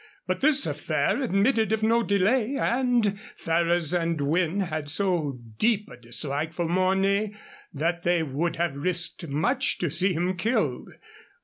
But this affair admitted of no delay, and Ferrers and Wynne had so deep a dislike for Mornay that they would have risked much to see him killed.